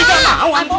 tidak mau ambo